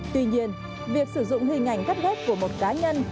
tuy nhiên việc sử dụng hình ảnh gấp ghép của một cá nhân